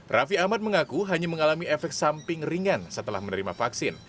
raffi ahmad mengaku hanya mengalami efek samping ringan setelah menerima vaksin